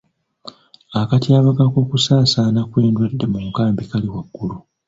Akatyabaga k'okusaasaana kw'endwadde mu nkambi kali waggulu.